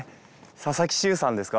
佐々木修さんですか？